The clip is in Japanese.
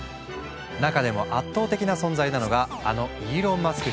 中でも圧倒的な存在なのがあのイーロン・マスク